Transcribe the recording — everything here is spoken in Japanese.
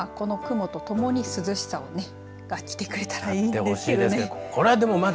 この雲とともに涼しさがきてくれたらいいんですけどね。